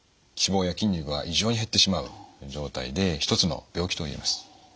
脂肪や筋肉が異常に減ってしまう状態でひとつの病気と言えます。